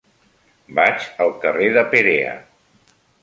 Vaig al carrer de Perea.